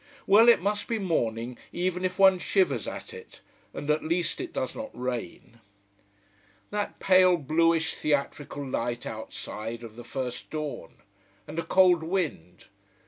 Well, it must be morning, even if one shivers at it. And at least it does not rain. That pale, bluish, theatrical light outside, of the first dawn. And a cold wind.